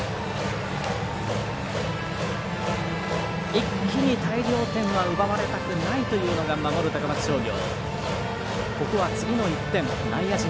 一気に大量点は奪われたくないというのが守る高松商業。